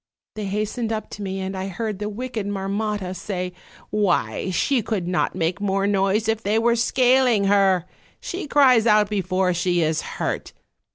They hastened up to me, and I heard the wicked Marmotta say: 'Why, she could not make more noise if they were scaling her; she cries out before she is hurt.